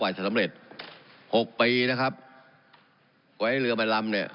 กว่าจะสำเร็จหกปีนะครับกว่าให้เรือมาลำเนี่ย